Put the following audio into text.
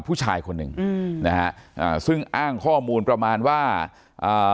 ผู้ชายคนหนึ่งอืมนะฮะอ่าซึ่งอ้างข้อมูลประมาณว่าอ่า